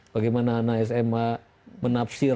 bagaimana anak sma menafsir